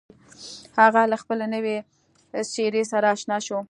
هغه له خپلې نوې څېرې سره اشنا شو.